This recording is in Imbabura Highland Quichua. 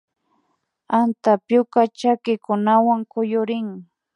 Antapyuka chakikunawan kuyurin